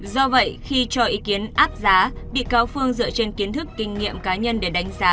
do vậy khi cho ý kiến áp giá bị cáo phương dựa trên kiến thức kinh nghiệm cá nhân để đánh giá